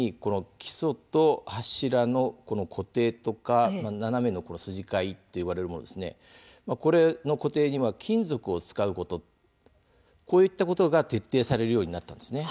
基礎と柱の固定とか斜めの筋交いといわれるものの固定に金属を使うことが徹底されるようになったんです。